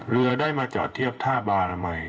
เรือได้มาจอดเทียบท่าบานามัย